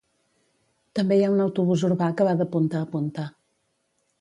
També hi ha un autobús urbà que va de punta a punta